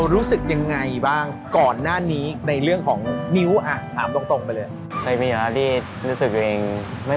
เรารอดมาได้นี่ก็บุญเล่าลูกอะไรอย่างนี้